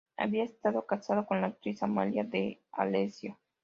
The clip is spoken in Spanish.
Había estado casado con la actriz Amalia D'Alessio.